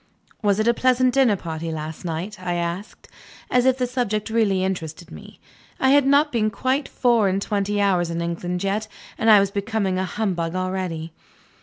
"Was it a pleasant dinner party last night?" I asked as if the subject really interested me. I had not been quite four and twenty hours in England yet, and I was becoming a humbug already.